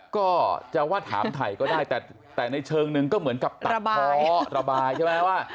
ก็จะว่าถามถ่ายก็ได้แต่ในเชิงนึงก็เหมือนกับตัดเพาะระบายใช่ไหมว่า